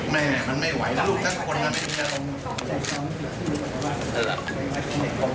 แม่จะบอกทุกคนแล้วว่า